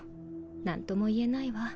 何とも言えないわ。